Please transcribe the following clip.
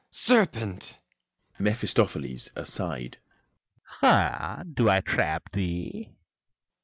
Serpent! MEPHISTOPHELES (aside) Ha! do I trap thee!